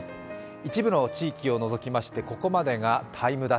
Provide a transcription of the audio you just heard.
一部の地域を除きまして、ここまでが「ＴＩＭＥ’」。